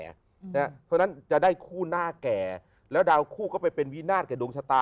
เพราะฉะนั้นจะได้คู่หน้าแก่แล้วดาวคู่ก็ไปเป็นวินาศกับดวงชะตา